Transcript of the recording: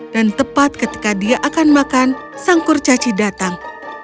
dan tepat ketika dia akan makan sang kurcaci datang